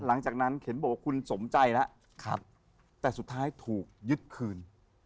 หลังจากนั้นเข็นบอกว่าคุณสมใจแล้วแต่สุดท้ายถูกยึดคืน